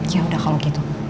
ya udah kalau gitu